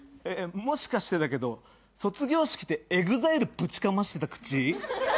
もしかしてだけど卒業式ってＥＸＩＬＥぶちかましてた口？